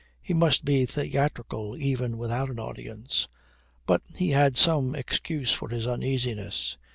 He must be theatrical even without an audience. But he had some excuse for his uneasiness.